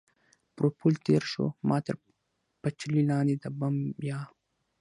پر پل تېر شو، ما تر پټلۍ لاندې د بم یا.